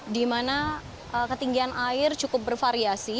di mana ketinggian air cukup bervariasi